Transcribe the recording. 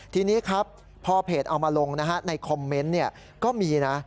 ทีนี้ครับพอเพจเอามาลงในคอมเมนต์ก็มีนะ